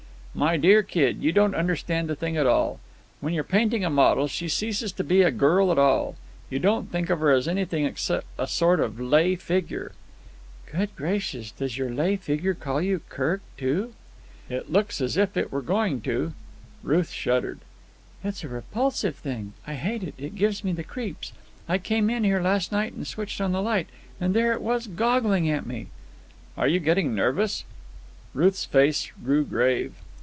"My dear kid, you don't understand the thing at all. When you're painting a model she ceases to be a girl at all. You don't think of her as anything except a sort of lay figure." "Good gracious! Does your lay figure call you Kirk too?" "It always looks as if it were going to." Ruth shuddered. "It's a repulsive thing. I hate it. It gives me the creeps. I came in here last night and switched on the light, and there it was, goggling at me." "Are you getting nervous?" Ruth's face grew grave.